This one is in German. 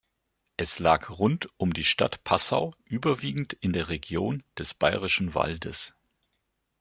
Es lag rund um die Stadt Passau überwiegend in der Region des Bayerischen Waldes.